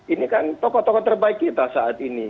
ini kan tokoh tokoh terbaik kita saat ini